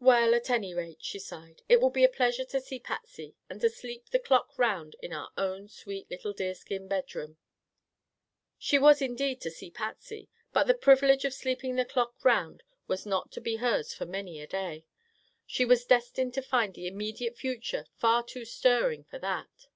"Well, at any rate," she sighed, "it will be a pleasure to see Patsy and to sleep the clock round in our own sweet little deerskin bedroom." She was indeed to see Patsy, but the privilege of sleeping the clock round was not to be hers for many a day. She was destined to find the immediate future far too stirring for that.